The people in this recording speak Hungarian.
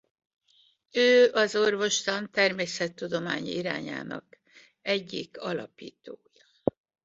Ő az orvostan természettudományi irányának egyik alapítója.